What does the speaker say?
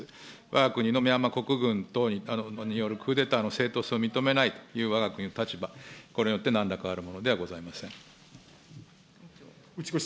わが国のミャンマー国軍等によるクーデターの正当性を認めないというわが国の立場、これによってなんら変わるものではございませ打越